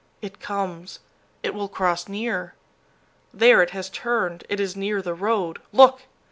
It comes it will cross near there, it has turned, it is near the road! Look!